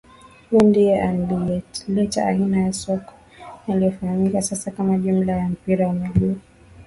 Huyu ndiye aliyeleta aina ya soka inayofahamika sasa kama jumla ya mpira wa miguu